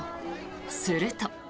すると。